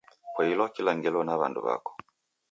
Poilwa kila ngelo na wandu wako